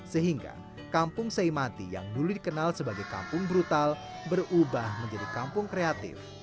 sehingga kampung seimati yang dulu dikenal sebagai kampung brutal berubah menjadi kampung kreatif